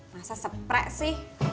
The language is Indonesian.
masa sepre sih